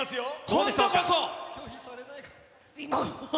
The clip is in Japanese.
今度こそ。